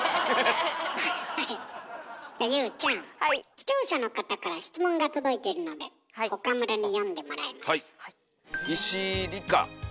視聴者の方から質問が届いているので岡村に読んでもらいます。